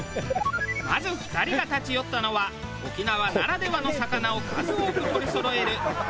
まず２人が立ち寄ったのは沖縄ならではの魚を数多く取りそろえる。